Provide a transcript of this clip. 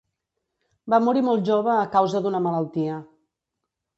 Va morir molt jove a causa d'una malaltia.